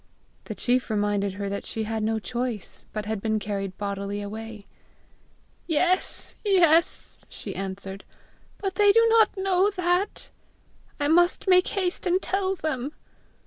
The chief reminded her that she had no choice, but had been carried bodily away. "Yes, yes," she answered; "but they do not know that! I must make haste and tell them!